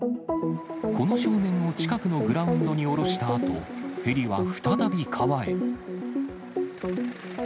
この少年を近くのグラウンドに降ろしたあと、ヘリは再び川へ。